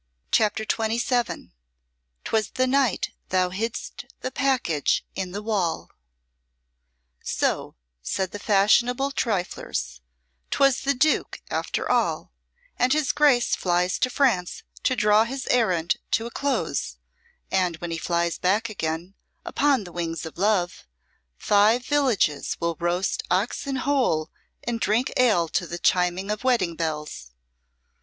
CHAPTER XXVII "'Twas the night thou hidst the package in the wall" "So," said the fashionable triflers, "'twas the Duke after all, and his Grace flies to France to draw his errand to a close, and when he flies back again, upon the wings of love, five villages will roast oxen whole and drink ale to the chiming of wedding bells."